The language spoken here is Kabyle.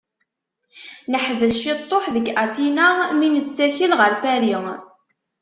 Neḥbes cituḥ deg Atina mi nessakel ɣer Paris.